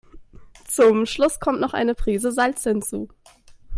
Zum Schluss kommt noch eine Prise Salz hinzu.